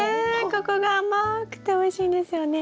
ここが甘くておいしいんですよね。